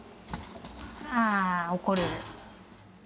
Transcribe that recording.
あー、怒る。